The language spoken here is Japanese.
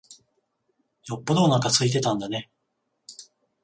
よっぽどおなか空いてたんだね。